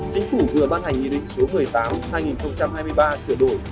chính phủ vừa ban hành nghị định số một mươi tám hai nghìn hai mươi ba sửa đổi